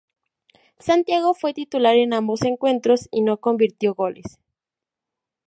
Santiago fue titular en ambos encuentros y no convirtió goles.